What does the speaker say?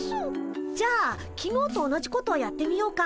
じゃあきのうと同じことをやってみようか。